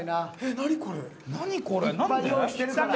何これ。